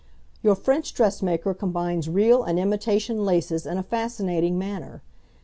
Your French dressmaker combines real and imitation laces in a fascinating manner.